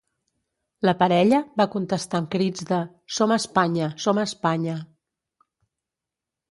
La parella va contestar amb crits de ‘som a Espanya, som a Espanya’.